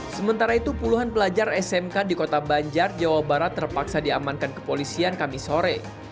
sementara itu puluhan pelajar smk di kota banjar jawa barat terpaksa diamankan kepolisian kami sore